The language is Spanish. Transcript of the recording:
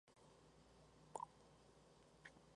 Desde Francia se brindó todo el apoyo al nuevo monarca.